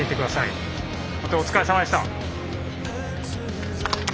本当お疲れさまでした。